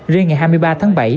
riêng ngày hai mươi ba tháng bảy